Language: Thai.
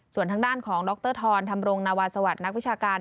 ส่วนทางด้านของดรธรธรรมรงนวาสวัสดิ์นักวิชาการ